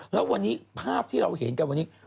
แล้ววันนี้ภาพที่เราเห็นกันวันนี้